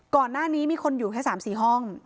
ก่อนหน้านี้มีคนอยู่แค่๓๔ห้อง